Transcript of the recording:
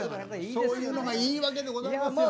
そういうのがいいわけでございますよ。